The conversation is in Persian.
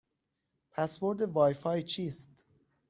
پسورد وای فای چیست؟